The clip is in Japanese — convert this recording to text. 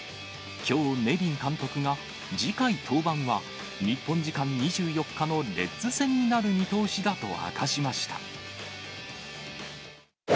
きょう、ネビン監督が、次回登板は、日本時間２４日のレッズ戦になる見通しだと明かしました。